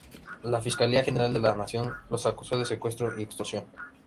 La Fiscalía General de la Nación los acusó de secuestro y extorsión.